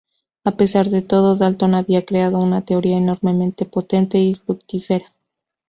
A pesar de todo, Dalton había creado una teoría enormemente potente y fructífera.